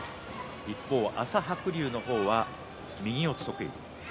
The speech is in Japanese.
一方、朝白龍の方は右四つ得意。